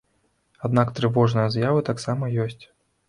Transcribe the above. Аднак трывожныя з'явы таксама ёсць.